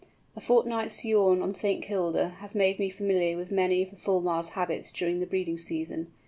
A fortnight's sojourn on St. Kilda has made me familiar with many of the Fulmar's habits during the breeding season.